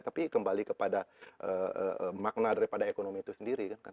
tapi kembali kepada makna daripada ekonomi itu sendiri